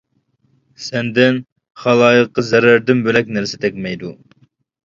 سەندىن خالايىققا زەرەردىن بۆلەك نەرسە تەگمەيدۇ.